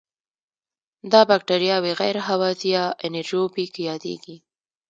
دا بکټریاوې غیر هوازی یا انئیروبیک یادیږي.